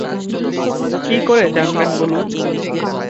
কী করে জানবেন বলুন।